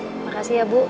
terima kasih ya bu